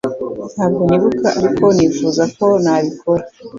Ntabwo nibuka ariko nifuza ko nabikora